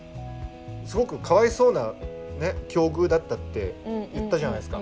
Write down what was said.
すごくかわいそうな境遇だったって言ったじゃないですか。